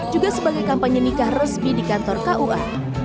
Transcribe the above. juga sebagai kampanye nikah resmi di kantor kua